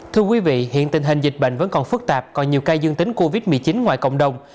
thưa quý vị hiện tình hình dịch bệnh vẫn còn phức tạp còn nhiều ca dương tính covid một mươi chín ngoài cộng đồng